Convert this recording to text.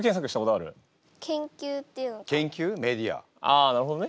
ああなるほどね。